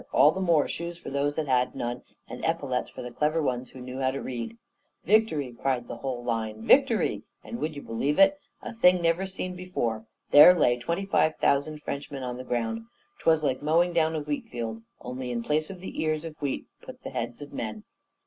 all the more shoes for those that had none, and epaulets for the clever ones who knew how to read. 'Victory!' cried the whole line; 'Victory!' and, would you believe it? a thing never seen before, there lay twenty five thousand Frenchmen on the ground. 'Twas like mowing down a wheat field; only in place of the ears of wheat put the heads of men!